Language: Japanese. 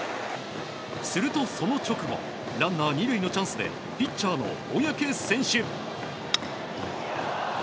すると、その直後ランナー２塁のチャンスでピッチャーの小宅選手。